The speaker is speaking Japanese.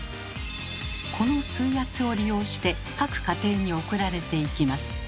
この水圧を利用して各家庭に送られていきます。